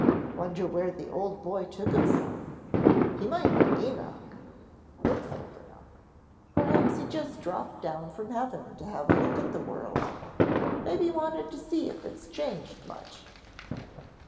"Wonder where the old boy took himself. He might be Enoch. Looks old enough. Perhaps he just dropped down from heaven to have a look at the world; maybe wanted to see if it's changed much."